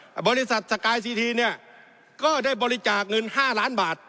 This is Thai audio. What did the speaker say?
บริษัทสกายซีทีนเนี่ยก็ได้บริจาคเงิน๕ล้านบาท